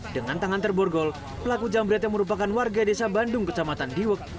dengan tangan terborgol pelaku jambret yang merupakan warga desa bandung kecamatan diwek